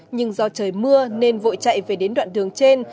nhưng do trời mưa nên vội chạy về đến đoạn đường trên